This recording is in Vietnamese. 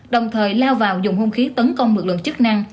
đồng thời lao vào dùng hung khí tấn công lực lượng chức năng